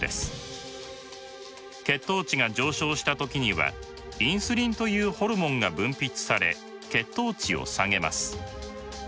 血糖値が上昇した時にはインスリンというホルモンが分泌され血糖値を下げます。